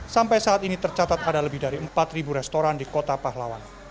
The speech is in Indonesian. sampai saat ini tercatat ada lebih dari empat restoran di kota pahlawan